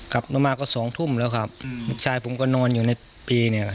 กลับมาก็สองทุ่มแล้วครับลูกชายผมก็นอนอยู่ในปีเนี่ยแหละ